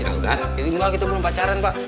dua kita belum pacaran pak